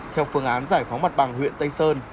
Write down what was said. theo phương án giải phóng mặt bằng huyện tây sơn